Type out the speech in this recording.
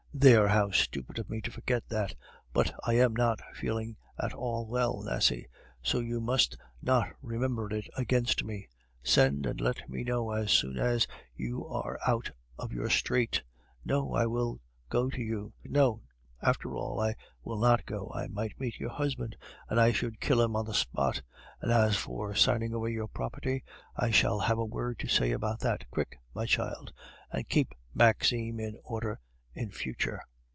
"There! how stupid of me to forget that! But I am not feeling at all well, Nasie, so you must not remember it against me. Send and let me know as soon as you are out of your strait. No, I will go to you. No, after all, I will not go; I might meet your husband, and I should kill him on the spot. And as for signing away your property, I shall have a word to say about that. Quick, my child, and keep Maxime in order in future."